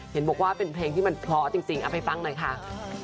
เห็นบอกว่าเป็นเพลงที่มันเพราะจริงเอาไปฟังหน่อยค่ะ